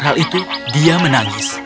hal itu dia menangis